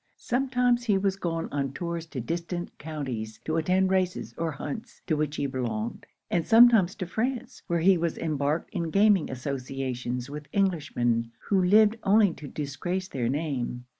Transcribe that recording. Sometimes he was gone on tours to distant counties to attend races or hunts, to which he belonged; and sometimes to France, where he was embarked in gaming associations with Englishmen who lived only to disgrace their name.